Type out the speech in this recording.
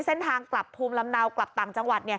เส้นทางกลับภูมิลำเนากลับต่างจังหวัด